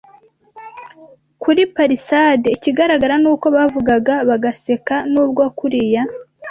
kuri palisade. Ikigaragara nuko bavugaga bagaseka, nubwo kuriya